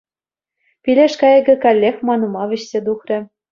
Пилеш кайӑкӗ каллех ман ума вӗҫсе тухрӗ.